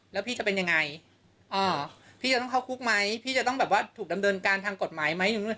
แล้วพี่จะเป็นยังไงพี่จะต้องเข้าคุกไหมพี่จะต้องแบบว่าถูกดำเนินการทางกฎหมายไหม